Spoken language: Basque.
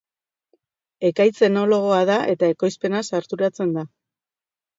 Ekaitz enologoa da eta ekoizpenaz arduratzen da.